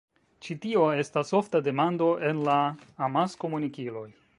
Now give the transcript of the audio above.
Ĉi tio estas ofta demando en la amaskomunikiloj.